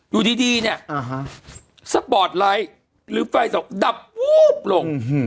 อยู่ดีเนี่ยสปอร์ตไลท์หรือไฟส่องดับวูบลง